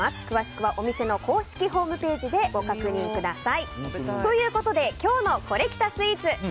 詳しくはお店の公式ホームページでご確認ください。ということで今日のコレきたスイーツ。